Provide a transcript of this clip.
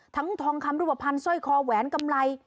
ทั้งทองคำรูปพันธ์สร้อยคอแหวนกำไร